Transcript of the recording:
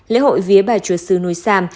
lễ hội vía bà chúa sứ núi sam